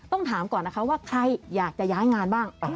ต้องถามก่อนนะคะว่าใครอยากจะย้ายงานบ้าง